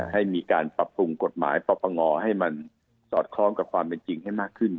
ให้มีการปรับปรุงกฎหมายปปงให้มันสอดคล้องกับความเป็นจริงให้มากขึ้น